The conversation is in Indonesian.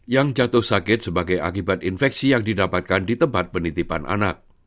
yang jatuh sakit sebagai akibat infeksi yang didapatkan di tempat penitipan anak